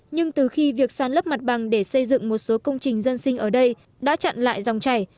nhưng từ khi việc sàn lấp mặt bằng để xây dựng một số công trình dân sinh ở đây đã chặn lại dòng chảy